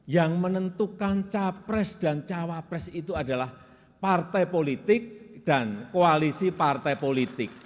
yang menentukan capres dan cawapres itu adalah partai politik dan koalisi partai politik